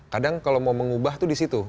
kadang kalau mau mengubah itu di situ